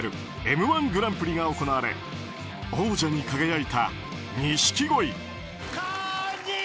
「Ｍ‐１グランプリ」が行われ王者に輝いた錦鯉。